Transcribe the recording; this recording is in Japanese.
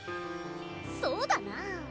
そうだなあ。